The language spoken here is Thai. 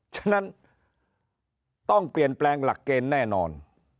ฉะนั้นต้องเปลี่ยนแปลงหลักเกณฑ์แน่นอน